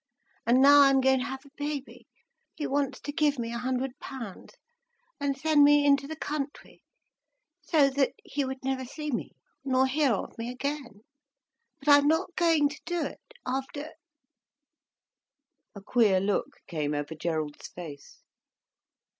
And now I'm going to have a baby, he wants to give me a hundred pounds and send me into the country, so that he would never see me nor hear of me again. But I'm not going to do it, after—" A queer look came over Gerald's face.